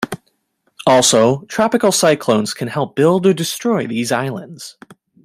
Also, tropical cyclones can help build or destroy these islands.